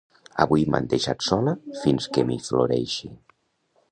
Avui m'han deixat sola fins que m'hi floreixi